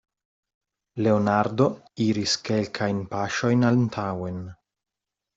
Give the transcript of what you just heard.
Leonardo iris kelkajn paŝojn antaŭen.